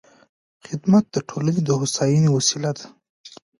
خدمت د ټولنې د هوساینې وسیله ده.